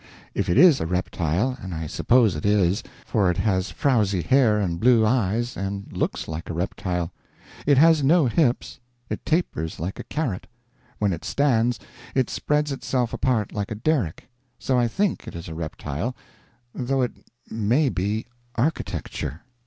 If it is a reptile, and I suppose it is; for it has frowzy hair and blue eyes, and looks like a reptile. It has no hips; it tapers like a carrot; when it stands, it spreads itself apart like a derrick; so I think it is a reptile, though it may be architecture.